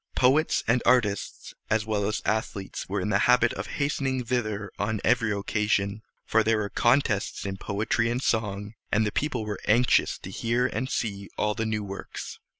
Poets and artists, as well as athletes, were in the habit of hastening thither on every occasion; for there were contests in poetry and song, and the people were anxious to hear and see all the new works.